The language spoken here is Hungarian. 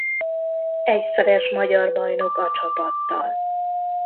Egyszeres magyar bajnok a csapattal.